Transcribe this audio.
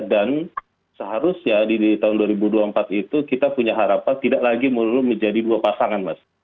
dan seharusnya di tahun dua ribu dua puluh empat itu kita punya harapan tidak lagi menurut menjadi dua pasangan mas